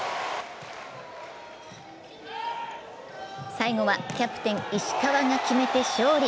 最後はキャプテン・石川が決めて勝利。